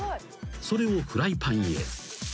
［それをフライパンへ］